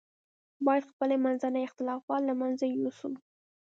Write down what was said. باید خپل منځي اختلافات له منځه یوسو.